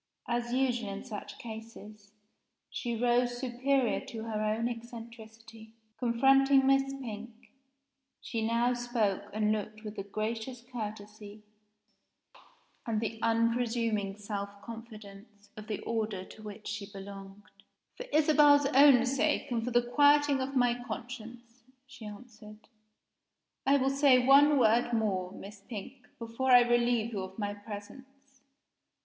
As usual in such cases, she rose superior to her own eccentricity. Confronting Miss Pink, she now spoke and looked with the gracious courtesy and the unpresuming self confidence of the order to which she belonged. "For Isabel's own sake, and for the quieting of my conscience," she answered, "I will say one word more, Miss Pink, before I relieve you of my presence.